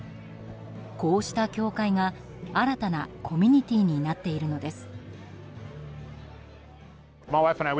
こうした教会が新たなコミュニティーになっているのです。